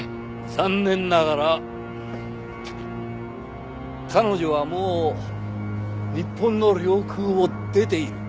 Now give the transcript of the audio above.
残念ながら彼女はもう日本の領空を出ている。